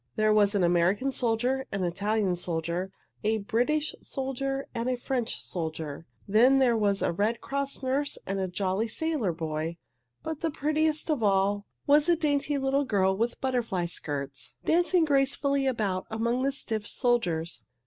There was an American soldier, an Italian soldier, a British soldier, and a French soldier. Then there was a Red Cross nurse and a jolly sailor boy. But prettiest of all was a dainty little girl with butterfly skirts, dancing gracefully about among the stiff soldiers.